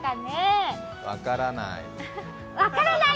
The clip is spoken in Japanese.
分からない。